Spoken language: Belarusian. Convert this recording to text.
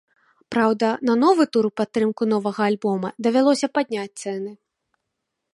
Праўда, на новы тур у падтрымку новага альбома давялося падняць цэны.